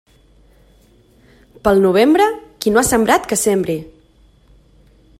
Pel novembre, qui no ha sembrat, que sembre.